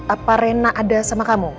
apa rena ada sama kamu